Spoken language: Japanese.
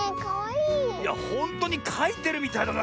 いやほんとにかいてるみたいだな